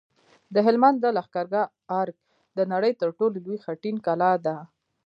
د هلمند د لښکرګاه ارک د نړۍ تر ټولو لوی خټین کلا ده